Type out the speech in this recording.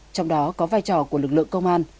trong đó có vai trò của lực lượng công an